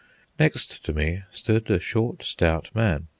Next to me stood a short, stout man.